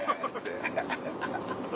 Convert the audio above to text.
ハハハハ。